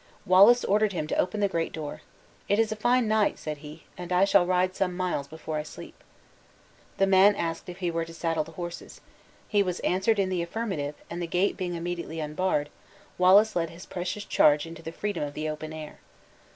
Wallace ordered him to open the great door. "It is a fine night," said he, "and I shall ride some miles before I sleep." The man asked if he were to saddle the horses; he was answered in the affirmative, and the gate being immediately unbarred, Wallace led his precious charge into the freedom of the open air.